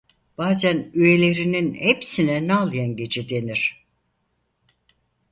Bazen üyelerinin hepsine "nal yengeci" denir.